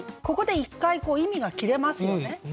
ここで一回意味が切れますよね。